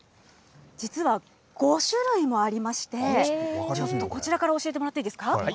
実は５種類もありまして、ちょっとこちらから教えてもらっていいですか。